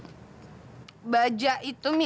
semoga dia begitu benar